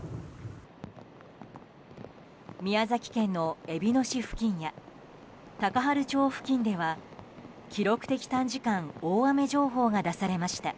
宮崎県の、えびの市付近や高原町付近では記録的短時間大雨情報が出されました。